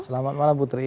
selamat malam putri